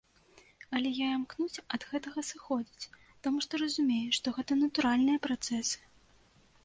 Але я імкнуся ад гэтага сыходзіць, таму што разумею, што гэта натуральныя працэсы.